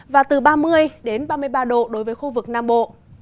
và từ ba mươi đến ba mươi ba độ đối với khu vực nam bộ